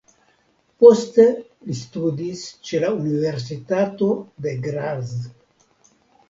Poste li studis ĉe la Universitato de Graz.